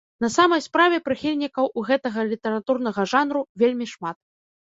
На самай справе прыхільнікаў у гэтага літаратурнага жанру вельмі шмат.